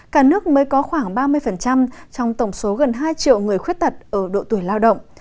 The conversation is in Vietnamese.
cả nước mới có khoảng ba mươi trong tổng số gần hai triệu người khuyết tật ở độ tuổi lao động